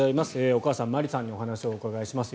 お母さんの真理さんにお話をお伺いします。